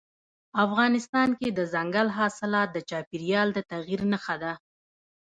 افغانستان کې دځنګل حاصلات د چاپېریال د تغیر نښه ده.